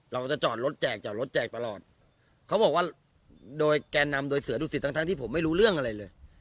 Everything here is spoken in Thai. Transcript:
เราจะจอดรถแจกจอดรถแจกตลอดเขาบอกว่าโดยแกนนำโดยเสือดุสิตทั้งที่ผมไม่รู้เรื่องอะไรเลย